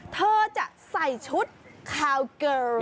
เธอจะใส่ชุดคาวเกิล